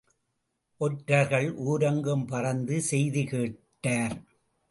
ஒற்றர்கள் ஊரெங்கும் பறந்த செய்தி கேட்டார்.